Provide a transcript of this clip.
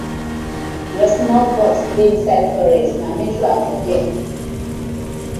Yur snuff bosx dey inside forest, na me trow am for there.